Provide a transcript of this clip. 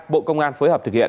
bộ công an phối hợp thực hiện